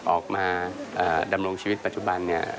ออกมาดำรงชีวิตปัจจุบัน